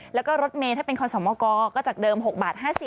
แล้วก็รถเมย์ถ้าเป็นคอสมกก็จากเดิม๖บาท๕๐